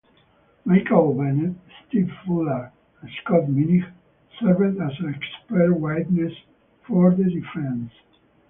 Michael Behe, Steve Fuller and Scott Minnich served as expert witnesses for the defense.